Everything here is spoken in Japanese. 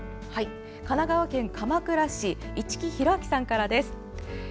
神奈川県鎌倉市市来広昭さんからです。